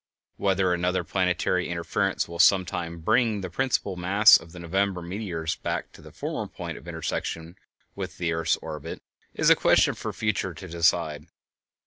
Whether another planetary interference will sometime bring the principal mass of the November meteors back to the former point of intersection with the earth's orbit is a question for the future to decide.